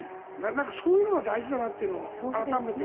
そういうのが大事だなっていうのを改めて。